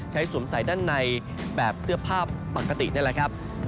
สวมใส่ด้านในแบบเสื้อผ้าปกตินี่แหละครับ